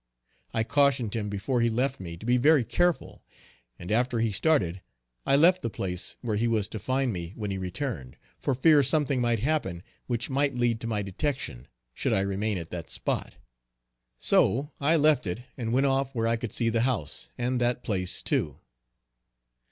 I cautioned him before he left me to be very careful and after he started, I left the place where he was to find me when he returned, for fear something might happen which might lead to my detection, should I remain at that spot. So I left it and went off where I could see the house, and that place too.